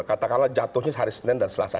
katakanlah jatuhnya hari senin dan selasa